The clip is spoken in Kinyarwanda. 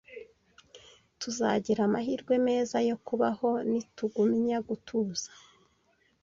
Tuzagira amahirwe meza yo kubaho nitugumya gutuza.